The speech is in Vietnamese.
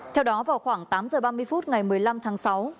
theo đó vào khoảng tám h ba mươi phút ngày một mươi năm tháng sáu